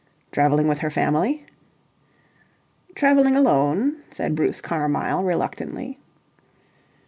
"Travelling with her family?" "Travelling alone," said Bruce Carmyle, reluctantly.